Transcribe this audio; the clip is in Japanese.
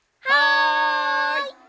はい！